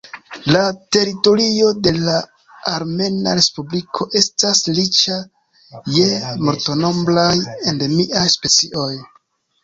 La teritorio de la Armena Respubliko estas riĉa je multnombraj endemiaj specioj.